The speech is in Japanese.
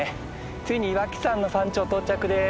ついに岩木山の山頂到着です。